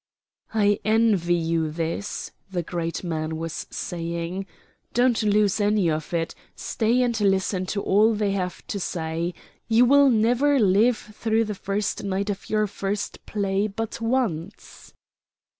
"I envy you this," the great man was saying. "Don't lose any of it, stay and listen to all they have to say. You will never live through the first night of your first play but once."